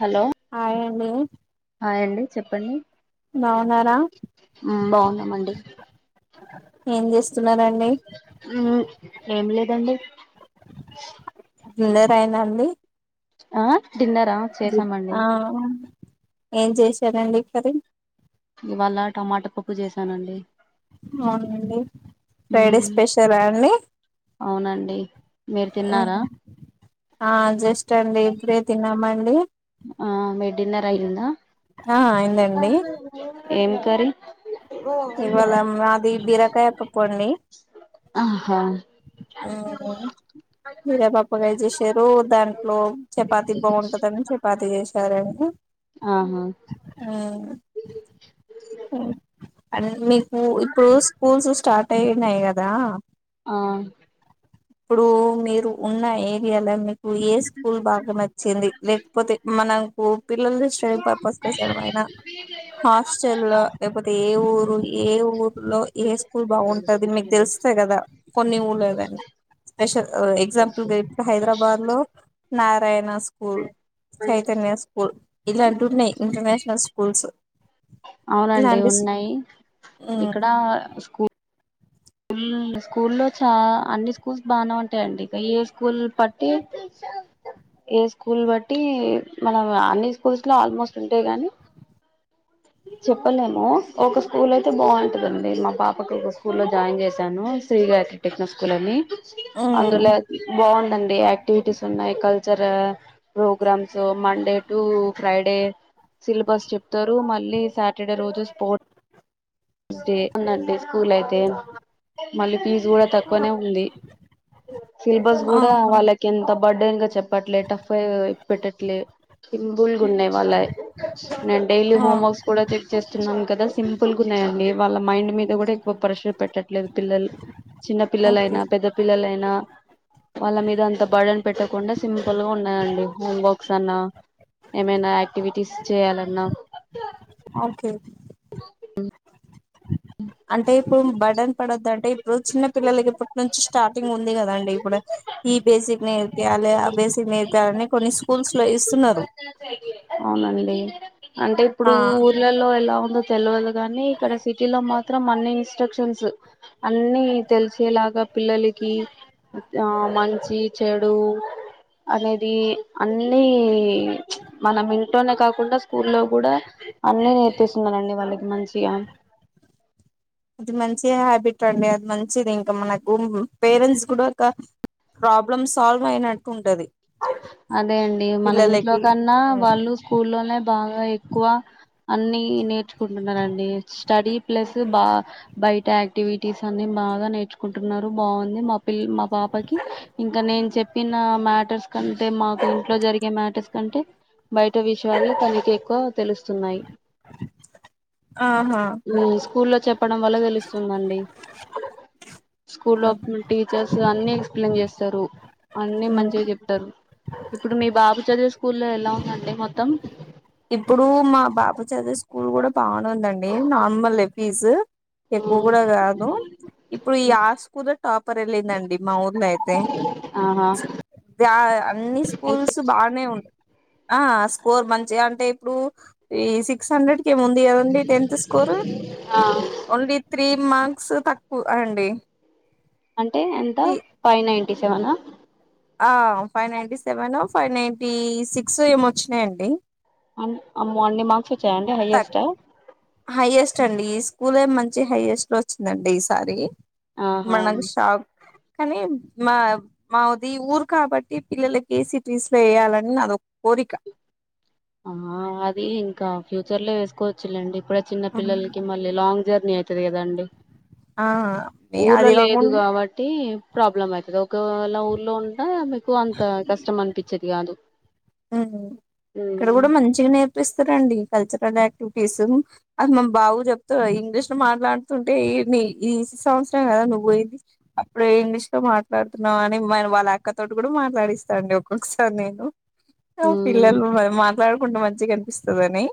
Hello hi ఆండీ hi ఆండీ చెప్పండి బావున్నారా బాగున్నామండి ఏం చేస్తున్నారండి, ఉహు ఏం లేదండి, దిన్న రయినాండి అ డిన్నర ఆ ఏం చేశారండి కర్రీ ఇవాళ టమాటా పప్పు చేసానండి అవునండి ఫ్రైడే మ్మ్ స్పెషల అండి అవునండి మీరు తిన్నారా ఉహ్ ఆ జస్ట్ అండి ఇప్పుడే తిన్నామండి ఆ మీ డిన్నర్ అయిందా ఆ అయిందండి ఏం కర్రి ఇవాళ మాది బీరకాయ పప్పు అండి ఆహా ఊ ఉ వీరేపపకాయ్ చేసారు దాంట్లో చపాతి బావుంటదని చెప్ పాతి చేశారన్ని ఆహ ఊ హు అన్న్ మీకు ఇప్పుడు స్కూల్స్ స్టార్ట్ అయినాయి గదా ఆ ఇప్పుడు మీరు ఉన్న ఏరియాల మీ ఉ ఏ స్కూల్ బాగా నచ్చింది లేక్పోతే మనకు పిల్లల్దిస్ స్టడి పర్పస్ కోసమైనా హాస్టల్ లేకపోతే ఏ ఊ గు ఏ ఊర్లో ఏ స్కూల్ బాగుంటది మీకు దెలుస్తే గదా కొన్ని ఊర్ళ ఏదైనా స్పెష అ ఎగ్జాంపుల్ గ ఇప్ హైదరాబాద్ లో నారాయణ స్కూల్ చైతన్య స్కూల్ ఇలాంటున్నయ్ ఇంటర్నేషనల్ స్కూల్స్ అవునండి ఇలాంటి స్ ఉన్నాయి మ్మ్ ఇక్కడ స్కూ ఉమ్మ్ స్కూల్ లో చా అన్ని స్కూల్స్ బానే ఉంటాయండి ఇక ఏ స్కూల్ పట్టి ఏ స్కూల్ బట్టి మనం అన్ని స్కూల్స్ లో ఆల్మోస్ట్ ఉంటయి గాని చెప్పలేము ఒక స్కూల్ అయితే బావుంటదండి మా పాపకు ఒక స్కూల్ లో జాయిన్ చేశాను శ్రీగాయిత్రి టెక్నో స్కూల్ అని మ్మ్ అందులో బావుందండి యాక్టివిటీస్ ఉన్నాయ్ cultural programmes Monday to Friday syllabus చెప్తారు మళ్ ళ్ళి సాటర్డ రోజు స్పోర్ట్ ఉస్ డే ఉందండి స్కూల్ అయితే మళ్ళీ ఫీజు గూడా తక్కువనే ఉంది సిలబస్ గూడా ఆహా వాళ్ళక్ కెంత బర్డేన్గా చెప్పట్లే టఫ్ఫ ఇ పెట్టట్లే సింపుల్ గున్నయ్ వాళ్ళయ్ నేన్ డైలీ ఆ హోమ్వర్క్స్ కూడా చెక్ చేస్తున్నాం కదా సింపుల్ గున్నాయండి వాళ్ళ మైండ్ మీద కూడా ఎక్కువ ప్రెషర్ పెట్టట్లేదు పిల్లల్ చిన్న ఓకే పిల్లలైనా పెద్దప్ పిల్లలయినా వాళ్ళ మీద అంత బడన్ పెట్టకుండా సింపుల్ గున్నాయండి హోంవర్క్స్ అన్నా ఏమైనా యాక్టివిటీస్ చేయాలన్నా ఆల్ కే ఉం అంటే ఇప్పుడు బర్డన్ పడొద్దంటే ఇప్పుడు చిన్న పిల్లలకిప్పటి నుంచి స్టార్టింగ్ ఉంది కదాండి ఇప్పుడు ఈ బేసిక్ నేర్పియాలె ఆ బేసిక్ నేర్పేయాలని కొన్ని స్కూల్స్ లో ఇస్తున్నారు అవునండి అంటే ఇప్పుడు ఆ ఉర్ ఇల్లల్లో ఎలా ఉందో తెల్వదు గాని ఇక్కడ సిటీలో మాత్రం అన్ని ఇన్స్ట్రక్షన్స్ అన్ని తెలిసేలాగా పిల్లలకి ఆ మంచి చెడు అనేది అన్ని మనం ఇంట్లోనే కాకుండా స్కూల్లో కూడా అన్ని నేర్పిస్తున్నారండి వాళ్ళకి మంచిగా అది మంచి హ్యాబిట్ అండి అది మంచిది ఇంకా మనకు పేరెంట్స్ కూడా ఒక ప్రాబ్లమ్ సాల్వ్ అయినట్టు ఉంటది అదే అండి మన ఇంట్లో పిల్లలకి కన్నా వాళ్ళు స్కూల్లోనే బాగా ఎక్కువ అన్ని నేర్చుకుంటున్నరండి స్టడీ ప్లస్ బా బయట యాక్టివిటీస్ అన్ని బాగా నేర్చుకుంటున్నారు బాగుంది మా పి మా పాపకి ఇంకా నేను చెప్పిన మ్యాటర్స్ అంటే మాకు ఇంట్లో జరిగే మ్యాటర్స్ కంటే బయట విషయాలు తనకి ఎక్కువ తెలుస్తున్నాయి ఆహా ఉమ్ స్కూల్లో చెప్పడం వల్ల తెలుస్తుందండి స్కూల్ లో టీచర్స్ అన్ని ఎక్స్ప్లెయిన్ చేస్తారు అన్ని మంచిగా చెప్తా రు ఇప్పుడు మీ బాబు చదివే స్కూల్లో ఎలా ఉందండి మొత్తం ఇప్పుడు మా బాబు చదివవి స్కూల్ కూడా బాగునుందండి నార్మల్ ఫీజు ఎక్కువ కూడా కాదు ఇప్పుడు ఈ ఆ స్కూలు టాపర్ వెళ్ళిందండి మా ఊర్లో అయితే ఆహా అన్ని ఎంత స్కూల్స్ బాగానే ఉన్ ఆ స్కోర్ మంచిగా అంటే ఇప్పుడు ఈ సిక్స్ హండ్రెడ్ కే ఏముంది కదండి టెన్త్ స్కోర్ ఆ ఓన్లీ త్రీ మార్క్స్ తక్కువ అండి అంటే ఎంత ఫైవ్ నైన్టీ సెవెనా ఆ five ninety seven five ninety six ఏమో వచ్చినాయండి అ అమ్మో అన్ని మార్క్స్ వచ్చాయండి తక్ హైయెస్ట్ హైయెస్ట్ అండి ఈ స్కూలే మంచి హైయెస్ట్ లో వచ్చిందండి ఈసారి ఆహా మ నాకు షాక్ కానీ మా మాది ఊరు కాబట్టి పిల్లలకి సిటీస్ లో వేయాలని నాది ఒక కోరిక ఆ అది ఇంకా ఫ్యూచర్ లో వేసుకోవచ్చులేండి ఇప్పుడే చిన్న పిల్లలకి మళ్ళ లాంగ్ జర్నీ అవుతది కదండి ఆ ఊర్లో అది లేదు కాకుండా కాబట్టి ప్రాబ్లం అవుతది ఒకవేళ ఊర్లో ఉంట మీకు అంత కష్టం అనిపించేది కాదు ఇక్కడ ఉమ్ కూడా మంచిగా నేర్పిస్తారండి కల్చరల్ యాక్టివిటీస్ అది మన బాబు చెప్తా ఇంగ్లీష్ లో మాట్లాడుతుంటే ఈ సంవత్సరమే కదా నువ్వు పోయింది అప్పుడే ఇంగ్లీష్ లో మాట్లాడుతున్నావు అని మ వాళ్ళ అక్కతోటి కూడా మాట్లాడిస్తాంటి ఒక్కొక్కసారి నేను ఉమ్ పిల్లలు మాట్లాడుకుంటే మంచిగా అనిపిస్తుందని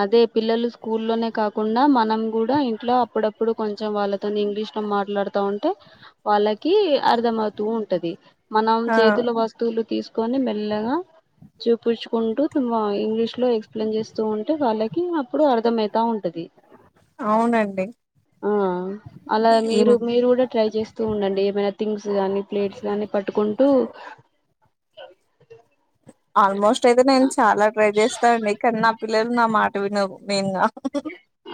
అదే పిల్లలు స్కూల్లోనే కాకుండా మనం కూడా ఇంట్లో అప్పుడప్పుడు కొంచెం వాళ్ళ తోని ఇంగ్లీష్ లో మాట్లాడుతా ఉంటే వాళ్ళకి అర్థమవుతూ ఉంటది మనం ఆ చేతులో వ స్తువులు తీసుకొని మెల్లగా చూపించుకుంటూ ఇంగ్లీష్ లో ఎక్స్ప్లెయిన్ చేస్తూ ఉంటె వాళ్ళకి అప్పుడు అర్థమవుతా ఉంట ది అవునండి ఆ అలా ఈ మీరు మీరు కూడా ట్రై చేస్త స్తూ ఉండండి ఏమైనా థింగ్స్ గానీ ప్లేట్స్ గానీ పట్టుకుంటూ ఆల్మోస్ట్ అయితే నేను చాలా ట్రై చేస్తాను అండి కానీ నా పిల్లలు నా మాట వినరు మెయిన్ గా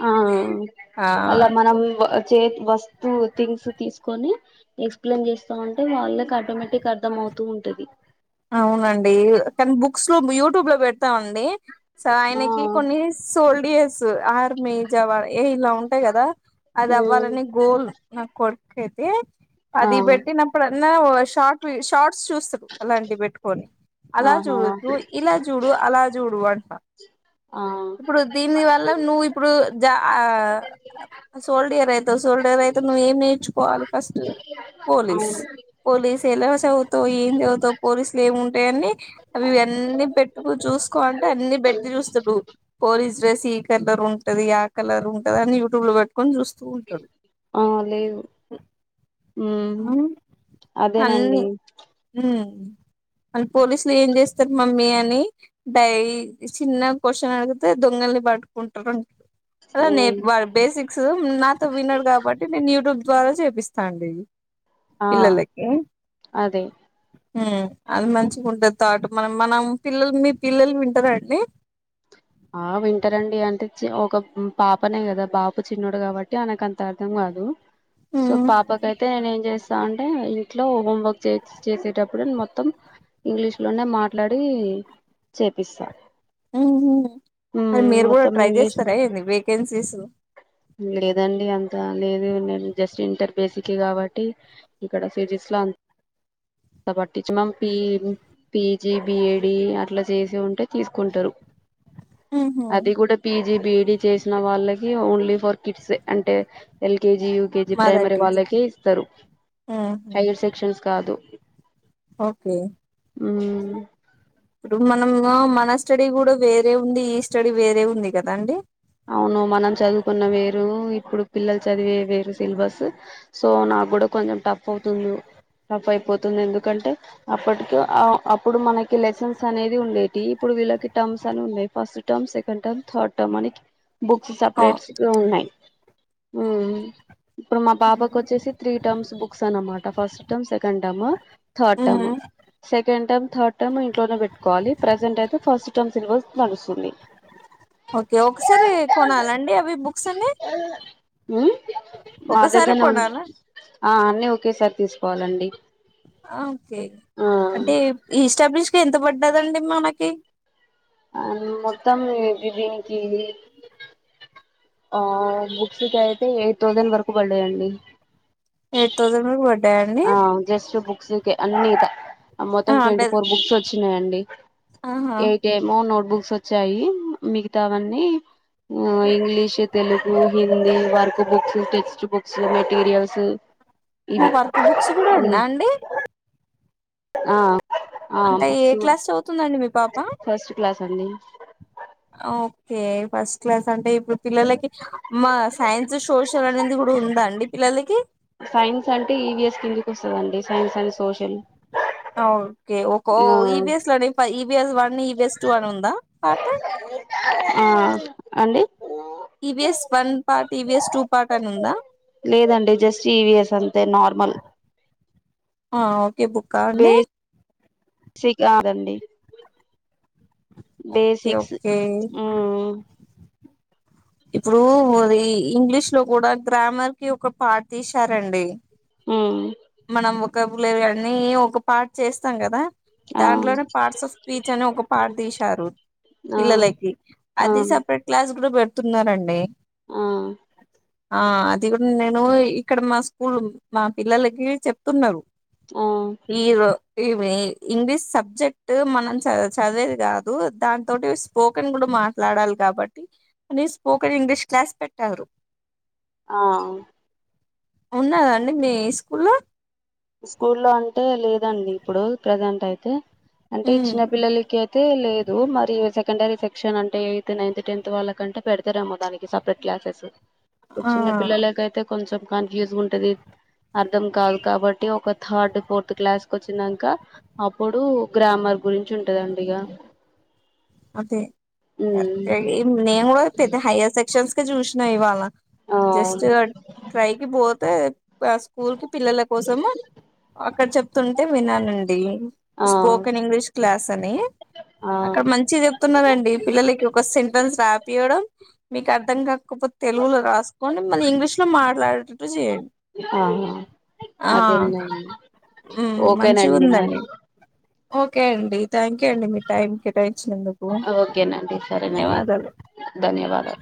ఆ ఆ అలా మనం చే వస్తు థింగ్స్ తీసుకొని ఎక్స్ప్లెయిన్ చేస్తా ఉంటే వాళ్ళకి ఆటోమేటిక్గా అర్థం అవుతూ ఉంటది అవునండి. కానీ బుక్స్ లో యూట్యూబ్ లో పెడతామండి సో ఆ ఆయనకి కొన్ని సోల్డియర్స్ ఆర్మి జవాన్ ఏ ఇలా ఉం టాయి. కదా అది ఉమ్ అవ్వాలని గోల్ నాకు కొడుకు అయితే ఆ అది పెట్టిన అప్పుడన్నా షార్ట్ వి షార్ట్స్ చూస్తాడు అలాంటివి పెట్టుకొని అలా ఆహా చూడద్దు ఇలా చూడు అలా చూడు అంట ఆ ఇప్పుడు దీని వల్ల నువ్వు ఇప్పుడు జ ఆ సోల్డియర్ అయితావు సోల్డియర్ అయితే నువ్వు ఏం నేర్చుకోవాలి. ఫస్ట్ పోలీస్ అవును పోలీసు ఎలా చదువుతా ఏం చదువుతావు పోలీసులు ఏమి ఉంటాయి. అన్నీ అవి ఇవన్నీ పెట్టుకో చూసుకో అంటే అన్ని పెట్టి చూస్తాడు పోలీస్ డ్రెస్ ఈ కలర్ ఉంటది. ఆ కలర్ ఉంటది. అని యూట్యూబ్ లో పెట్ పెట్టుకోని చూస్తూ ఉంటాడు. ఉ అదేనండి. హ అని పోలీసులు ఏం చేస్తారు మమ్మీ అని ఈ చిన్న కొషైన్ అడిగితే దొంగల్ని పట్టుకుంటారు. అంటుండు అలా నే ఉమ్ బేసిక్స్ నాతో వినడు కాబట్టి నేను యూట్యూబ్ ద్వారా చెప్పిస్తాండేది. ఆ అదే అది మంచిగా ఉంటది థాట్ మనం మనం పిల్లలు మీ పిల్లలు వింటారా అండి. ఆ వింటారండి. అంటే ఒక పాపనే కదా బాబు చిన్నోడు కాబట్టి ఆయనకు అంత అర్ధం కాదు. సో పాపకైతే నేను ఏం చేస్ తా అంటే ఇంట్లో హోంవర్క్ చేసేటప్పుడు మొత్తం ఇంగ్లీష్ లోనే మాట్లాడి చేపిస్తా. ఆహా అది మ్మ్ మీరు కూడా మొత్తం ట్రై ఇంగ్లీష్ చేస్తారా ఏంది. వేకెన్సీస్ లేదండి. అంత లేదు. నేను జస్ట్ ఇంటర్ బేసికే కాబట్టి ఇక్కడ సీరీస్ లో అంత పట్టించి మంపీ [unintelligible] పీజీ బిఈడీ అట్ల చేసి ఉంటే తీసుకుంటారు. ఉహు అది కూడా పీజీ బిఈడీ చేసిన వాళ్ళకి ఓన్లీ ఫర్ కిడ్సే అంటే LKG U KG mother primary teacher వాళ్ళకే ఇస్తారు. ఉహు హైయర్ సెక్షన్స్ కి కాదు ఓకే మ్మ్ ఇప్పుడు మనము మన స్టడీ కూడా వేరే ఉంది. ఈ స్టడీ వేరే ఉంది. కదా అండి. అవును మనం చదువుకున్నవి వేరు ఇప్పుడు పిల్లలు చదివేవి వేరు సిలబస్ సో నాకు కూడా కొంచెం టఫ్ అవుతుంది. టఫ్ అయిపోతుంది. ఎందుకంటే అప్పటికి అ అప్పుడు మనకి లెసన్స్ అనేది ఉండేటివి. ఇప్పుడు వీళ్ళకి టర్మ్స్ అని ఉన్నాయి. First term second, term third term, అనికి బుక్స్ ఉమ్ సపరేట్స్ ఉన్నాయి. అ ఇప్పుడు మా పాపకు వచ్చేసి త్రీ టర్మ్స్ బుక్స్ అన్నమాట first term, second term, third term, second term, third term, ఇంట్లోనే పెట్టుకోవాలి. ప్రజెంట్ అయితే ఫస్ట్ టర్మ్, సిలబస్ నడుస్తుంది. ఓకే ఒకసారి కొనాల అండి. అవి బుక్స్ అన్ని ము ఒకసారి మాదగ్గర్నె కొనాలా ఆ అన్నిీ ఒకేసారి తీసుకోవాలండి. ఓకే ఆ అంటే ఈ ఇస్టాబ్లిష్ కి ఎంత పడ్డాదండి. మనకి ఆ మొత్తం ఇది దీనికి ఆ బుక్స్ కి అయితే ఎయిత్ థౌజండ్ వరకు పడ్డయండీ. ఎయిత్ తౌసండ్ వరకి వడ్ ఆ జస్ట్ బుక్స్కె అన్ని ఇక మొత్తం అంటే ట్వంటీఫోర్, బుక్స్ వచ్చినాయంండి. ఆహా. ఏమో నోట్బుక్స్ వచ్చాయి, మిగతా వన్నీ ఉ English, Telugu, Hindi, work books, text books, materials హ్ కు బుక్స్ కూడా ఉందాండి. ఆ ఆ అంటే ఏ బుక్స్ క్లాస్ చదువుతుందండి మీ పాప? ఫస్ట్ క్లాస్ అండి. ఓకే ఫస్ట్ క్లాస్ అంటే ఇప్పుడు పిల్లలకి మాస్ సైన్స్, సోషల్ అనింది కూడా ఉందా అండి పిల్లలకి. సైన్స్ అంటే ఈవీఎస్ కిందికి వస్తదండి సైన్స్ అన్డ్ సోషల్. ఆ ఓకే ఓకొ ఆ ఈవిఎస్ లోనె ఈవిఎస్ వన్ ఈవిఎస్ టూ అని ఉందా కాతే ఆ అండి. EVS one part, EVS two part అని ఉందా. లేదండి జస్ట్ ఈవిఎస్ అంతే నార్మల్. ఆ ఓకే బుక్ బే సిక్ కాదండి. ఓకే బేసిక్స్ ఓకే ఆ. ఇప్పుడు అది ఇంగ్లీష్ లో కూడా గ్రామర్ కి ఒక పార్ట్ తీశారండి. హ్. మనం వొకబ్లరి అని ఒక పార్ట్ చేస్తాం కదా. ఆ దాంట్లోనే పార్ట్స్ ఆఫ్ స్పీచ్ అని ఒక పార్ట్ తీశారు. ఆ పిల్లలకి ఆ అది సపరేట్ క్లాస్ కూడా పెడుతున్నారండి. ఆ. ఆ అది కూడా నేను ఇక్కడ మా స్కూల్ మా పిల్లలకి చెప్తున్నరు. ఆ ఈరో ఇవి ఇంగ్లీష్ సబ్జెక్ట్ మనం చ చదివేది కాదు దాని తోటి స్పోకెన్ కూడా మాట్లాడాలి కాబట్టి అని స్పోకన్ ఇంగ్లీష్ క్లాస్ పెట్టారు. ఆ. ఉన్నాదండి మీ స్కూల్లో? స్కూల్లో అంటే లేదండి ఇప్పుడు ప్రజెంట్ అయితే అంటే ఉమ్ చిన్న పిల్లలకి అ యితే లేదు మరి సెకండరీ సెక్షన్ అంటే ఎయిత్, నైన్త్, టెన్త్ వాళ్ళకంటే పెడతరేమో దానికి స పరేట్ క్లాసెస్. ఇప్పుడు ఆ చిన్న పిల్లలకైతే కొంచెం కన్ఫ్యూజ్ ఉంటది, అర్థం కాదు కాబ అంటే ఒక థర్డ్, ఫోర్త్ క్లాస్ కు వచ్చినంకా అప్పుడు గ్రామర్ గురించి ఉంటదండి ఇగ. అదే ఉమ్ నేను కూడా పెద్ద హయ్యర్ సెక్షన్స్కే చూశినా ఇవ్వాళ. ఆ జస్ట్ ట్రైకి పోతే ఆ స్కూల్ కి పిల్లల కోసము అక్కడ చెప్తుంటే విన్నానండి స్పోకెన్ ఆ ఇంగ్లీష్ క్లాస్ అని అక్కడ మం చిగ చెప్తున్నరండి పిల్లలకి ఒక సెంటెన్స్ రాపీయడం, మీకు అర్థం కాకపో తెలుగులో రాసుకోండి మళ్ళీ ఇంగ్లీష్ లో మాట్లాడేటట్టు చేయ్యండి. ఆ ఆ ఆ అదేనండి హ్మ్ ఓకేనండి మరి మంచిగుందండి. ఓకే అండి థ్యాంక్యూ అండి, మీ టైమ్ కేటాయించినందుకు. ఓకేనండి సరేనండి ధన్యవాదాలు ధన్యవాదాలు